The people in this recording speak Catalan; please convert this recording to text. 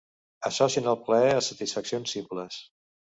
Associen el plaer a satisfaccions simples.